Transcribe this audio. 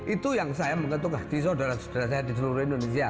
itu yang saya mengetuk hati saudara saudara saya di seluruh indonesia